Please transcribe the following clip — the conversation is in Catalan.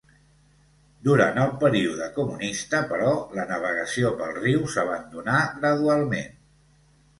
Durant el període comunista, però, la navegació pel riu s'abandonà gradualment.